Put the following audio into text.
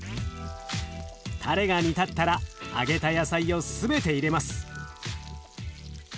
たれが煮立ったら揚げた野菜を全て入れます。